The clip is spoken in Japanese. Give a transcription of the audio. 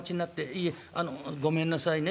いえあのごめんなさいね。